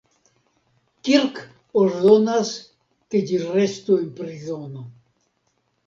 Kirk ordonas ke ĝi restu en prizono.